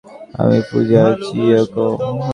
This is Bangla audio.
আমি ফুজিওয়ারা চিয়োকো।